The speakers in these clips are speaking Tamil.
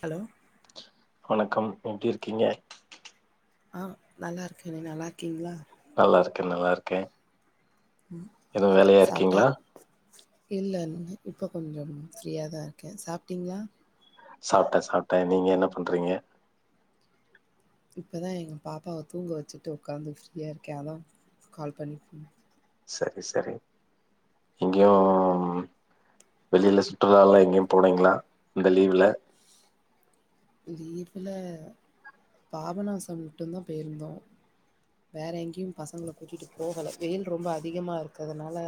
ஹலோ வணக்கம் எப்டி இருக்கீங்க? ஆ நல்லா இருக்கே நீ நல்லா இருக்கீங்களா? நல்லா இருக்கே நல்லா இருக்கே. எதுவு வேலையா சாப்ட்ட இருக்கீங்களா? இல்ல ஒன்னு இப்ப கொஞ்சம் ஃப்ரீயாதா இருக்கே. சாப்டீங்களா? சாப்ட்டே சாப்ட்டே நீங்க என்ன பண்றீங்க? இப்பதா எங்க பாப்பாவ தூங்க வச்சுட்டு உக்காந்து ஃப்ரீயா இருக்கே அதா கால் பண்ணி ம் சரி சரி எங்கயு வெளியில சுற்றுலால்லா எங்கயு போனீங்களா இந்த லீவுல? லீவுல பாபநாசம் மட்டும்தா போயிருந்தோ. வேற எங்கயு பசங்கள கூட்டிட்டு போகல. வெயில் ரொம்ப அதிகமா இருக்குறதுனால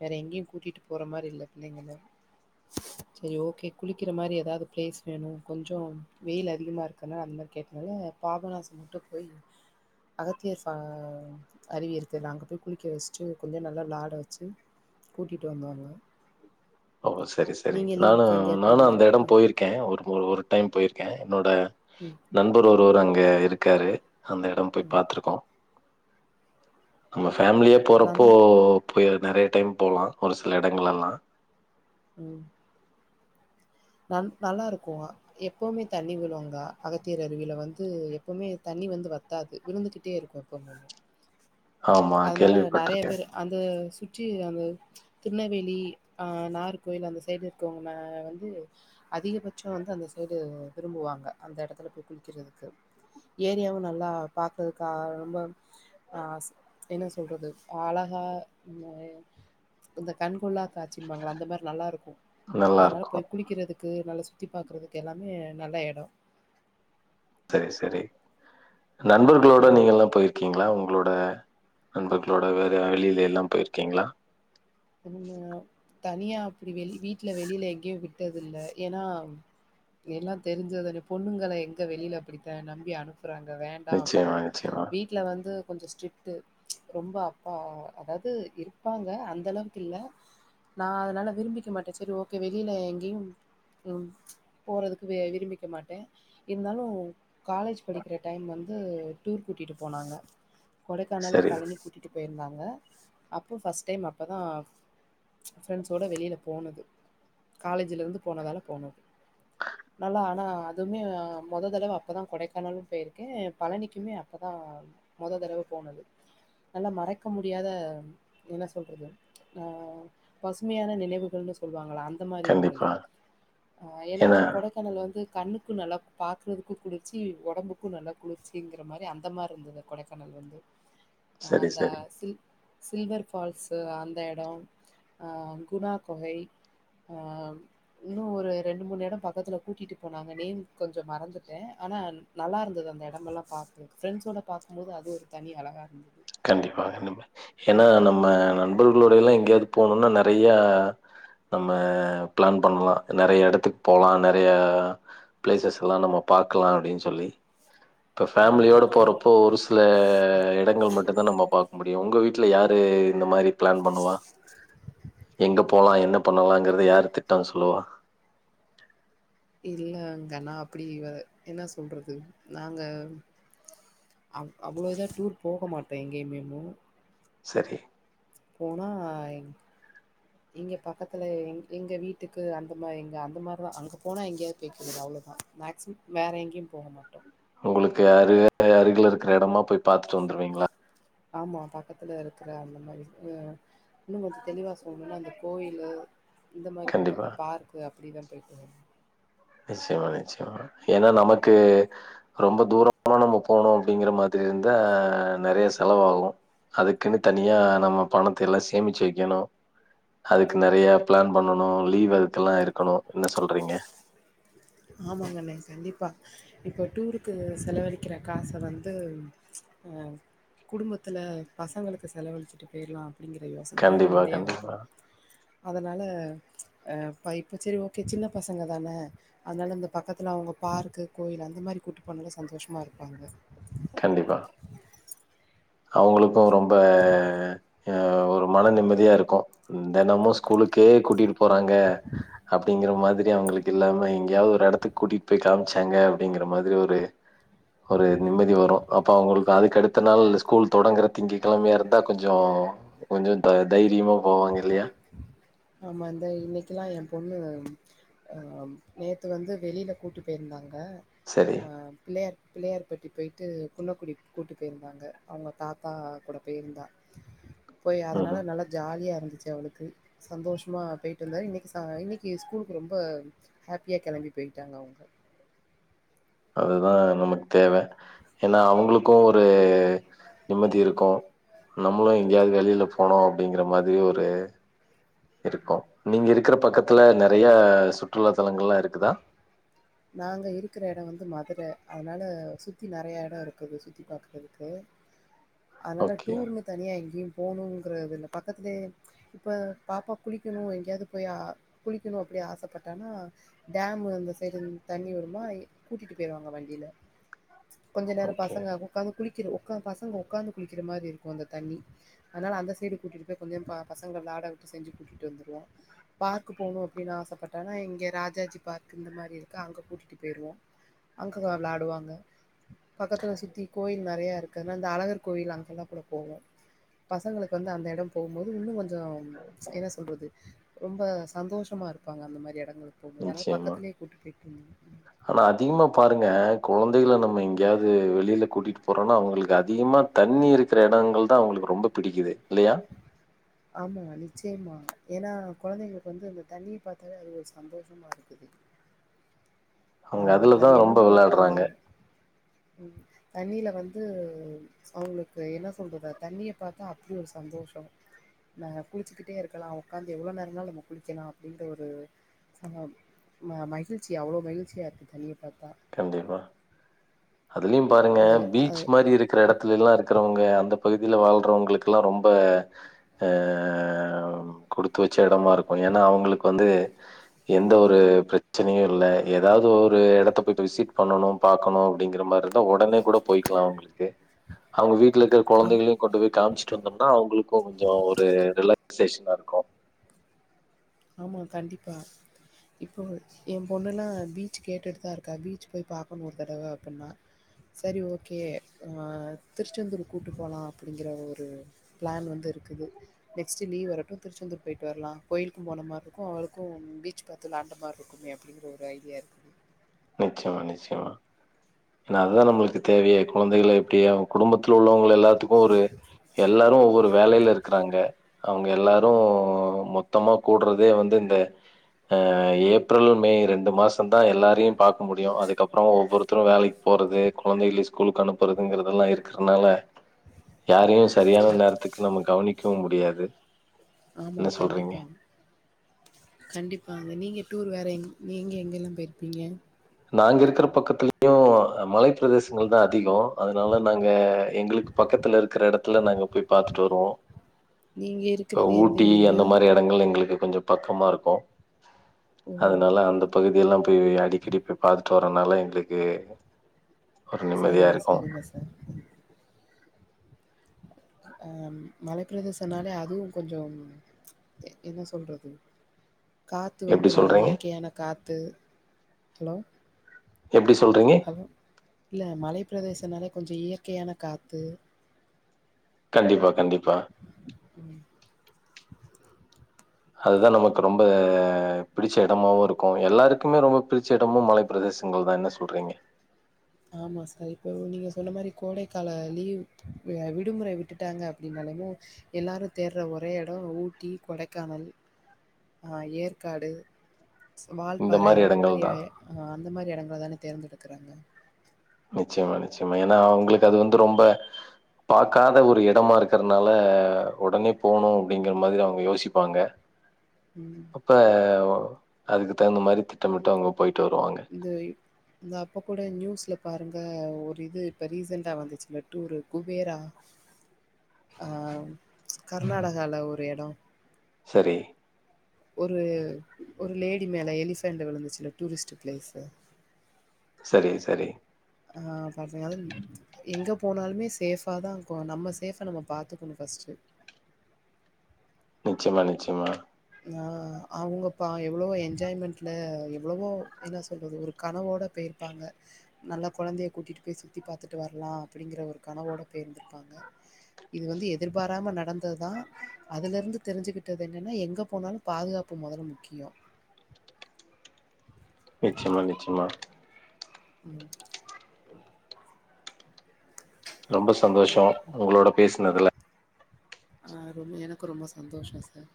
வேற எங்கயு கூட்டிட்டு போற மாரி இல்ல பிள்ளைங்கள. செரி ஓகே குளிக்கிற மாரி ஏதாவது பிளேஸ் வேணு கொஞ்சோ வெயில் அதிகமா இருக்கனால அந்த மாரி கேட்டனால பாபநாசோ மட்டு போய் அகத்தியர் ஸா அருவி இருக்குல்ல அங்க போய் குளிக்க வச்சுட்டு கொஞ்ச நல்லா விளாட வச்சு கூட்டிட்டு வந்தோங்க. ஓ சரி சரி நானு நானு அந்த போயிருந்தீங்க எடம் ம் போயிருக்கே ஒரு ஒ ஒரு டைம் போயிருக்கே என்னோட ம் நண்பர் ஒருவர் அங்க இரு க்காரு அந்த எடோ போய் பாத்துருக்கோ. நம்ம ஃபேமலியா போறப்போ நல்லா போய் நெறையா டைம் போலா ஒரு சில எடங்களல்லா ம் நன் நல்லா இருக்குங்க எப்பவுமே தண்ணி விழு அங்கா அகத்தியர் அருவியில வந்து எப்பவுமே தண்ணி வந்து வத்தாது விழுந்துக்கிட்டே இருக்கு எப்பவுமே அங்க ஆமா அதனால நெறைய கேள்விப்பட்டிருக்கே பேர் அந்த சு ற்றி அந்த திருநெல்வேலி ஆ நாகர்கோயில் அந்த சைடு இருக்குவங்க வந்து அதிகபட்சோ வந்து அந்த சைடு விரும்புவாங்க அந்த எடத்துல போய் குளிக்கிறதுக்கு. ஏரியாவு நல்லா பாக்குறதுக்கு ரொம்ப ஆ ஸ் என்ன சொல்றது அழகா இந்த இந்த கண்கொள்ளா காட்சிம்பாங்கல்ல அந்த மாரி நல்லா இருக்கு நல்லா அதனால இருக்கு போய் குளிக்கிறதுக்கு நல்லா சு த்தி பாக்குறதுக்கு எல்லாமே நல்ல எடோ. சரி சரி. நண்பர்களோட ம் நீங்க எல்லா போயிருக்கீங்ளா உங் களோட நண்பர்களோட வேற வெளியில எல்லா போயிருக்கீங்களா? நம்ம தனியா அப்டி வெளி வீட்ல வெளியில எங்கயு விட்டதில்ல ஏன்னா எல்லா தெரிஞ்சதுதானே பொண்ணுங்கள எங்க வெளில அப்படி த நம்பி அனு ப்பறாங்க வேண்டா நிச்சயமா, அப்டின்னு நிச்சயமா. வீட்ல வந்து கொஞ்ச ஸ்ட்ரிக்டு ரொம்ப அப்பா அதாவது இருப்பாங்க அந்தளவு க்கு இல்ல நா அதனால விரும்பிக்க மாட்டே சரி ஓகே வெளில எங்கயு ம் போறதுக்கு அ விரும்பிக்க மாட்டே இருந்தாலு காலேஜ் படிக்கிற டைம் வந்து டூர் கூட்டிட்டு போனாங்க கொடைக்கானல் சரி. பழனி கூட்டிட்டு போயிருந்தா ங்க அப்ப ஃபஸ்ட் டைம் அப்பதா ஃப்ரெண்ட்ஸோட வெளில போனது காலேஜ்ல இருந்து போனதால போனது. நல்லா ஆனா அதுமே மொத தடவ அப்பதா கொடைக்கானலு போயிருக்கே பழனிக்குமே அப்பதா மொத தடவ போனது. நல்லா மறக்க முடியாத என்ன சொல்றது ஆ பசுமையான நினைவுகள்ன்னு சொல்வா ங்கல்ல அந்த மாரி இருந்தது. கண்டிப்பா. ஆ ஏன்னா கொடைக்கானல் வந்து கண்ணுக்கு நல்லா பாக்கறதுக்கு குளிர்ச்சி ஒடம்புக்கு நல்லா குளிர்ச்சிங்கிற மாரி அந்த மாரி இருந்தது கொடைக்கானல் வந்து. ஆ சரி, அந்த சரி. சில் சில்வர் ஃபால்ஸு அ ந்த எடோ ஆ குணா கொகை ஆ இன்னு ஒரு ரெண்டு மூணு எடோ பக்கத்துல கூட்டிட்டு போனாங்க. நேம் கொஞ்ச மறந்துட்டே ஆனா நல்லா இருந்தது அந்த எடமெல்லா பாக்கறதுக்கு. ஃப்ரெண்ட்ஸோட பாக்கும்போது அது ஒரு தனி அழகா இருந்தது. கண்டிப்பாக நம்ப ஏன்னா ம். நம்ம வந் நண்பர்களோட எல்லா எங்கயாது போனோன்னா நெறையா நம்ம பிளான் பண்லா நெறைய எடத்துக்கு போலா நெறைய பிளேசஸ்கள்லா எல்லா நம்ம பாக்கலா அப்டின்னு சொல்லி இப்ப ஆமா. ஃபேமிலியோட கண் போறப்போ ஒரு சில எடங்கள் மட் பாக்க முடியு உங்க வீட்ல யாரு இந்த மாரி பிளான் பண்ணுவா? எங்க போலா என்ன பண்ணலாங்றத யாரு திட்டோ சொல்லுவா இல்ல அங்க நா அப்படி அ என்ன சொல்றது நாங்க அவ் அவ்ள இதா டூர் போக மாட்டோ எங்கயுமேமு சரி போனா இங்க பக்கத்துல எங் எங்க வீட்டுக்கு அந்த மா எங்க அந்த மாரிதா அங்க போனா எங்கயாது போய்க்கிறது அவ்ளதா. மேக்சிமம் வேற எங்கயும் போக மாட்டோ. உங்களுக்கு அருக அருகில இருக்கிற எடமா போய் பாத்துட்டு வந்துருவீங்களா? ஆமா பக்கத்துல இருக்கற அந்த மாரி ஆ இன்னும் கொஞ்ச தெளிவா சொல்லனுன்னா அந்த கோயிலு இந்த மாரி கண்டிப்பா பக்கத்துல பார்க்கு அப்டிதா போய்ட்டு வருவோ. நிச்சயமா நிச்சயமா ஏன்னா நமக்கு ரொம்ப தூரமா நம்ம போகணு அப்டிங்கற மாதிரி இருந்தா நெறைய செலவாகு. அதுக்குன்னு தனியா நம்ம பணத்த எல்லா சேமிச்சு வைக்கணு. அதுக்கு நெறைய பிளான் பண்ணணு லீவ் அதுக்கெல்லா இருக்கணு என்ன சொல்றீங்க? ஆமாங்கண்ணே கண்டிப்பா. இப்ப டூருக்கு செலவழிக்கிற காச வந்து ஆ குடும்பத்துல பசங்களுக்கு செலவழிச்சுட்டு போயரலா அப்டிங்கிற யோசனதா கண்டிப்பா நெறையா வரு. கண்டிப்பா அதனால ஆ ப்ப இப்ப சேரி ஓகே சின்ன பசங்கதான அதுனால இந்த பக்கத்துல அவுங்க பார்க்கு கோயில் அந்த மாரி கூட்டு போனாலே சந்தோஷமா இருப்பாங்க கண்டிப்பா அவங்களுக்கு ரொம்ப அ ஒரு மன நிம்மதியா இருக்கு தெனமு ஸ்கூலுக்கே கூட்டிட்டு போறாங்க அப்டிங்கிற மாதிரி அவங்களுக்கு இல்லாம எங்கேயாவது ஒரு எடத்துக்கு கூட்டிட்டு போய் காமிச்சாங்க அப்டிங்கிற மாதிரி ஒரு ஒரு நிம்மதி வரு அப்ப அவங்களுக்கு அதுக்கு அடுத்த நாள் ஸ்கூல் தொடங்குற திங்க கெழமயா இருந்தா கொஞ்சோ கொஞ்சோ த தைரியமா போவாங்க இல்லையா ஆமா இந்த இன்னைக்கெலா எ பொண்ணு அ நேத்து வந்து வெளில கூட்டு போயிருந்தாங்க சரி. அ ஆ பிள்ளயார் பிள்ளயார்பட்டி போயிட்டு குன்னக்குடி கூட்டு போயிருந்தாங்க அவுங்க தாத்தா கூட போயிருந்தா போய் அதனால ம்ஹ்ம். நல்லா ஜாலியா இருந் துச்சு அவளுக்கு சந்தோஷமா போயிட்டு வந்தாரு இன்னைக்கு சாய் இன்னைக்கு ஸ்கூலுக்கு ரொம்ப ஹாப்பியா கெளம்பி போயிட்டாங்க அவங்க அதுதா நமக்கு தேவ ஏனா அவங்களுக்கு ஒரு நிம்மதி இருக்கு நம்மளு எங்கயாது வெளில போனோ அப்டிங்கிற மாதிரி ஒரு இருக்கு நீங்க இருக் க்குற பக்கத்துல நெறைய சுற்றுலா தலங்கல்லா இருக்குதா நாங்க இருக்கிற எடோ வந்து மதுர அதுனால சுத்தி நெறையா எடோ இருக்குது சுத்தி பாக்குறதுக்கு அதனால ஓகே, டூர்னு தனியா எங்கயு போணுங்கிறதில்ல பக்கத்திலே இப்ப பாப்பா குளிக்கணு எங்கயாது போய் குளிக்கணு அப்டி ஆசப்பட்டானா டேமு அந்த சைடு தண்ணி வருமா கூட்டிட்டு போயிருவாங்க வண்டில கொஞ்ச நேரோ ஓகே. பசங்க உக்காந்து குளி க்கிற ஒக்காந் பசங்க ஒக்காந்து குளிக்கிற மாரி இருக்கு அந்த தண்ணி அதனால அந்த சைடு கூட்டிகிட்டு போய் கொஞ்சோ ப பசங்கள விலாட விட்டு செஞ்சு கூட்டிட்டு வந்துருவோ பார்கு போணு அப்டினு ஆசப் பட்டானா இங்க ராஜாஜி பார்கு இந்த மாரி இரு க்கு அங்க கூட்டிட்டு போயிருவோ அங்க விளாடுவாங்க பக்கத்துல சுத்தி கோயில் நெறையா இரு இருக்கனால அந்த அழகர் கோவில் அங்கல்லா கூட போவோ பசங்களுக்கு வந்து அந்த எடோ போகும்போது இன்னு கொஞ்சோ என்ன சொல்றது ரொம்ப சந்தோஷமா இருப்பாங்க அந்த மாரி எடோ ங்களுக்கு போம்போது அதனால நிச்சயமா. பக்கத்துலே கூட்டு போய் ஆனா அதிகமா பாருங்க கொழந்தைகள நம்ம எஙகயாது வெளில கூட்டிட்டு போரோனா அவங்களுக்கு அதிகமா தண்ணி இருக்குற எடங்கள் தா அவங்களுக்கு ரொம்ப பிடிக்குது இல்லயா ஆமா நிச்சயமா ஏனா கொழந்தைங்களுக்கு வந்து இந்த தண்ணிய பாத்தாலே அது ஒரு சந்தோஷமா இருக்குது அவங்க அ- அதுலதா ரொம்ப வெளாடுறாங்க உ தண்ணில வந்து அவங்களுக்கு என்ன சொல்றத தண்ணிய பாத்தா அப்டி ஒரு சந்தோஷோ நமா குளிச்சுக்கிட்டே இருக்கலா உக்காந்து எவ்ளோ நேரநாலு நம்ம குளிக்கலா அப்டின்ற ஒரு ச மகிழ்ச்சி அவ்ளோ மகிழ் சியாருக்கு தண்ணிய கண்டிப்பா அதுலயு பாருங்க அது பீச் அது மாரி இருக்கிற எடத்துலெல்லா இருக் க்குறவங்க அந்த பகுதில வாழ்றவங்களுக்குலா ரொம்ப அ குடுத்து வச்ச எடமா இருக்கு ஏனா அவங்களுக்கு வந்து எந்த ஒரு பிரச்சனயு இல்ல ஏதாவது ஒரு எடத்த போயிட்டு விசிட் பண்ணணு பாக்கணு அப்டிங்கிற மாரி த ஒடனே கூட போய்கலாம் உங்களுக்கு அவங்க வீ ட்டுல இருக்குற அ கொழந்தைகளையு கொண்டு போய் காமுச்சுட்டு வந்தம்னா அவங்களுக்கு கொஞ்சோ ஒரு ரிலேக் ஸேஷனா இருக்கு ஆமா கண்டிப்பா இப்போ எம் பொண்ணுல்லா பீச் கேட்டுட்தா இருக்கா பீச் போய் பாக்கணு ஒரு தடவ அப்பன்னா சேரி ஓகே திருச்செந்தூர் கூப்புட் போலா அப்படிங்கற ஒரு பிளான் வந்து இருக்குது நெக்ஸ்ட் லீவ் வரட்டு திருச்செந்தூர் போயிட்டு வர்ல கோயிலுக் கும் போன மாரி இருக்கு அவளுக்கு பீச் பாத்து வெளயாண்ட மாரி இருக்குமே அப்படிங்கிற ஒரு ஐடியா இருக்குது நிச்சயமா நிச்சயமா இல்ல அதா நம்மளுக்கு தேவயே கொழந்தைகள எப்படியா குடும்பத்துல உள்ளவங்க உள்ள எல்லாத்துக்கு ஒரு எல் எல்லாரு ஒவ்வொரு வேலையில இருக்குறாங்க அவங்க எல்லாரு மொத்தமா கூடுறதே வந்து இந்த ஏப்ரல் மே ரெண்டு மாசந்தா எல்லாரையும் பாக்க முடியு அதுக்கப்றோ ஒவ்வொருத்தரு வேலைக் போறது கொழந்தைகளி ஸ்கூலுக்கு அனுப்புறதுங்கறதெல்லா இருக்கறனால யாரையு சரியான நேரத்துக்கு நம்ம கவனிக்கவு முடியாது ஆமா என்ன சொல்றீங்க கண்டிப்பா கண்டிப்பாங்க நீங்க டூர் வேற எங் நீங்க எங்கெல்லாம் போயிருப்பீங்க நாங்க இருக்கிற பக்கத்துலயு மலை பிரதேசங்கள்தா அதிகோ அதனால நாங்க எங்களுக்கு பக்கத்துல இருக்குற எடத்துல நாங்க போய் பாத்துட்டு வருவோ நீங்க எ இருக்கிறது எந்த ஊட்டி அந்த ஏரியா? மாரி எடங்கள் எங்களுக்கு கொஞ்ச பக்கமாருக்கு ஓ! அதனால அந்த பகுதி இதெல்லாம் போய் அடிக்கடி போய் பாத்துட்டு வரதுனால எங்களுக்கு ஒரு நிம்மதியா சரிங்க இருக்கும். சரிங்க சார் அ மலைப்பிரதேசனாலே அதுவும் கொஞ்சம் என்ன சொல்றது காத்து எப்டி வந்து நல்ல சொல்றீங்க? இயற்கையான காத்து அலோ எப்டி சொல்றீங்க? அது இல்ல மலை பிரதேசனாலே கொஞ்ச இயற்கையான காத்து கண்டிப்பா கண்டிப் பா அதுதா நமக்கு ரொம்ப பிடிச்ச எடமாவு இருக்கு எல்லாருக்குமே ரொம்ப பிடிச்ச எடமும் மலை பிரதேசங்கள்தா என்ன சொல்றீங்க ஆமா சார் இப்ப நீங்க சொன்ன மாரி கோடைக்கால லீவ் விடுமுறை விட்டுட்டாங்க அப்படின்னாலுமு எல்லாரு தேடுற ஒரே எடோ ஊட்டி கொடைக்கானல் [inaudible] ஆ ஏற்காடு வால்பாற இந்த மாரி அ அந்த மாரி எடங் தான தேர்ந்தெடுக்குறாங்க நிச்சயமா நிச்சயமா ஏன்னா அவங்களுக்கு அது வந்து ரொம்ப பார்காத ஒரு எடமா இருக்குறதுனால ஒடனே போணு அப்படிங்கிற மாரி அவங்க யோசிப்பாங்க ம் அப்ப அதுக்கு தகுந்த மாரி திட்டமிட்டு அவங்க போயிட்டு வருவாங்க. இது இந்த அப்ப கூட நியூஸ்ல பாருங்க ஒரு இது இப்ப ரீசெண்டா வந்துச்சுல்ல டூரு குபேரா ஆ கர்நாடகால ஒரு எடோ சரி ஒரு ஒர் லேடி மேல எலிஸ்பேன்ட்டு விழுந்துச்சுல டூரிஸ்ட் பிளேஸ்சு சரி சரி ஆ பாத்தீங்கள் எங்க போனாலுமே சேஃபாதா கோ நம்ம சேஃப்ப நம்ம பாத்துக்குணு ஃபஸ்ட் நிச்சிம்மா நிச்சிம்மா ஆ அவுங்கப்பா எவுளவோ என்ஜாய்மெண்ட்ல எவுளவோ என்ன சொல்றது ஒர் கனவோட போயிருப்பாங்க நல்ல கொழந்தைய கூட்டிட்டு போய் சுத்தி பாத்துட்டு வரலா அப்பிடிங்கிற ஒரு கனவோட பேய்ருந்திருப்பாங்க இது வந்து எதிர்பாராம நடந் த தா அதுல இருந்து தெரிஞ்சுக்கிட் ட்டது என்னன்னா எங்கப் போனாலு பாதுகாப்பு மொதல் முக்கியோ நிச்சிம்மா நிச்சிம்மா உம் ரொம்ப சந்தோஷோ உங்குளோட பேஸ் ன்னதுல ஆ ரொம் எனக்கு ரொம்ப சந்தோஷோ சார்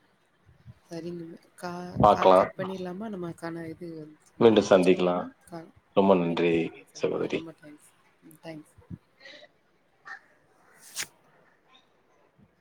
சரிங்க கா கால் பாக்கலாம். கட் பண்ணிருலாமா நம்ம கான இ [unintelligible] மீண்டும் சந்திக்கலாம். வெச்சுரோமா கால் ரொம்ப நன்றி [unintelligible] ஆ சகோதரி. ரொம்ப தேங்ஸ் உம் தேங்ஸ் [unintelligible]